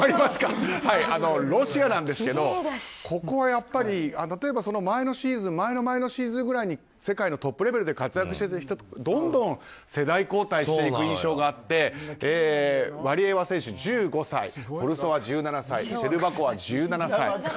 ロシアなんですけどここはやっぱり例えば前のシーズン前の前のシーズンくらいに世界のトップレベルで活躍していた人どんどん世代交代していく印象があってワリエワ選手、１５歳トルソワ、１７歳シェルバコワ、１７歳。